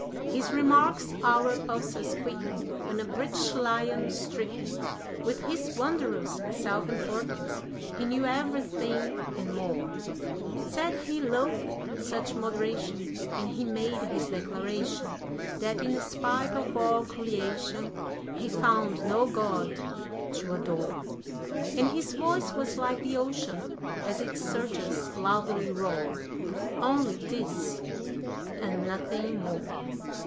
His remarks our pulses quicken, when a British Lion, stricken With his wondrous self importance he knew everything and more Said he loathed such moderation; and he made his declaration That, in spite of all creation, he found no God to adore; And his voice was like the ocean as its surges loudly roar; Only this and nothing more.